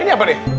ini apa deh